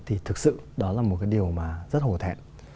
thì thực sự đó là một điều rất hổ thẹn